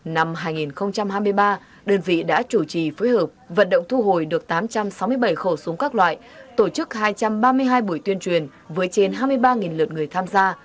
năm hai nghìn hai mươi ba đơn vị đã chủ trì phối hợp vận động thu hồi được tám trăm sáu mươi bảy khẩu súng các loại tổ chức hai trăm ba mươi hai buổi tuyên truyền với trên hai mươi ba lượt người tham gia